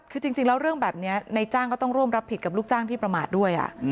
คือจริงแล้วเรื่องแบบนี้ในจ้างก็ต้องร่วมรับผิดกับลูกจ้างที่ประมาทด้วย